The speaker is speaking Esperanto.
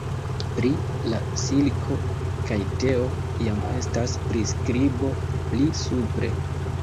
Pri la silko kaj teo jam estas priskribo pli supre.